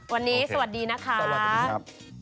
วันนี้สวัสดีนะคะ